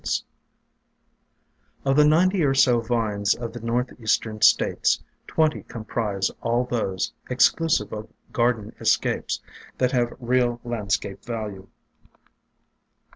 304 THE DRAPERY OF VINES Of the ninety or so vines of the northeastern states, twenty comprise all those, exclusive of gar den escapes, that have real landscape value.